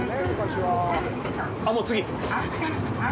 あっ、もう次！？